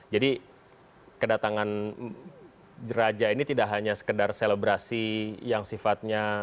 kedatangan raja ini tidak hanya sekedar selebrasi yang sifatnya